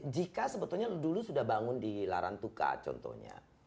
jika sebetulnya dulu sudah bangun di larantuka contohnya